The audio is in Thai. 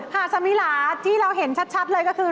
หาดสมิลาที่เราเห็นชัดเลยก็คือ